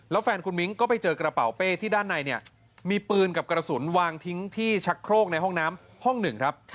แล้วแฟนคุณมิ้งก็ไปเจอกระเป๋าเป้ที่ด้านในเนี่ยมีปืนกับกระสุนวางทิ้งที่ชักโครกในห้องน้ำห้องหนึ่งครับ